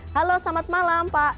halo selamat malam pak